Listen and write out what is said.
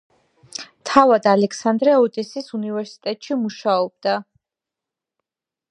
თავად ალექსანდრე ოდესის უნივერსიტეტში მუშაობდა.